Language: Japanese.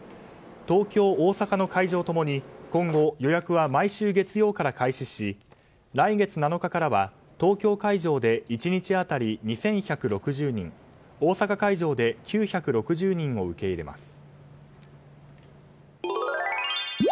東京、大阪の会場ともに今後、予約は毎週月曜から開始し来月７日からは東京会場で１日当たり２１６０人大阪会場で９６０人を受け入れます。